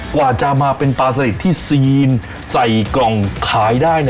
กว่าจะมาเป็นปลาสลิดที่ซีนใส่กล่องขายได้